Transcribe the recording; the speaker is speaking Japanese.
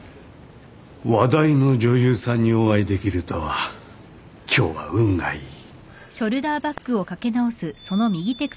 話題の女優さんにお会いできるとは今日は運がいい。